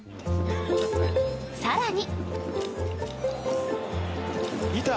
更に。